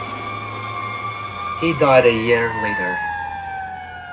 He died a year later.